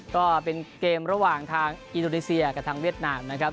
ก็เป็นเกมระหว่างทางอินโดนีเซียกับทางเวียดนามนะครับ